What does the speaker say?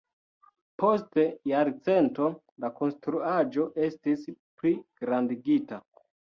Post jarcento la konstruaĵo estis pligrandigita.